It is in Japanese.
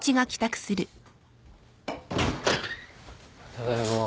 ・ただいま。